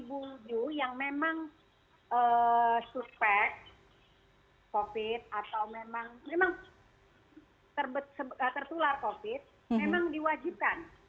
bung ju yang memang suspek covid atau memang tertular covid memang diwajibkan